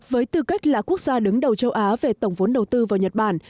với tư cách là quốc gia đứng đầu châu á về tổng vốn đầu tư vào nhật bản